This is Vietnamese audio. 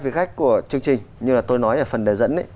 vị khách của chương trình như là tôi nói ở phần đề dẫn